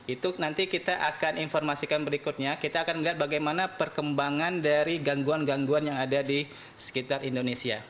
itu nanti kita akan informasikan berikutnya kita akan melihat bagaimana perkembangan dari gangguan gangguan yang ada di sekitar indonesia